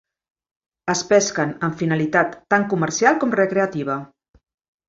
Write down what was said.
Es pesquen amb finalitat tant comercial com recreativa.